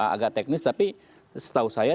agak teknis tapi setahu saya